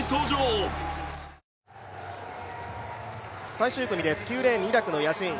最終組です、９レーン、イラクのヤシーン。